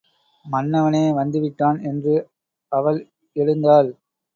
மன்னவனே வந்து விட்டான் என்று அவள் எழுந்தாள்.